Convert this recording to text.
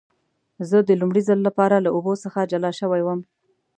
زه د لومړي ځل لپاره له اوبو څخه جلا شوی وم.